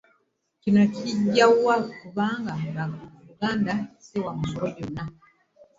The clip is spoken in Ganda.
Kino kijjawa kubanga Buganda tewa misolo gyonna